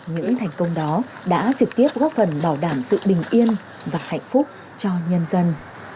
những thành công đó đã trực tiếp góp phần bảo đảm sự bình yên và hạnh phúc cho nhân dân